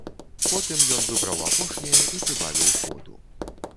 Потым ён выбраў апошняе і прыбавіў ходу.